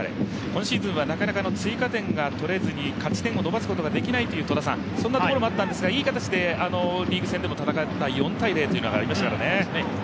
今シーズンはなかなか追加点が取れずに勝ち点を伸ばすことができないというところもあったんですが、いい形でリーグ戦でも戦った４−０というのがありましたからね。